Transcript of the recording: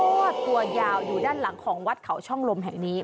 อดตัวยาวอยู่ด้านหลังของวัดเขาช่องลมแห่งนี้